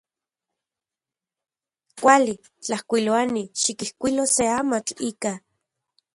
Kuali. Tlajkuiloani, xikijkuilo se amatl ika.